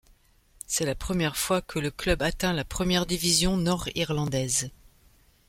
C'est la première fois que le club atteint la première division nord-irlandaise.